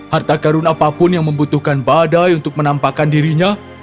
harta karun apapun yang membutuhkan badai untuk menampakkan dirinya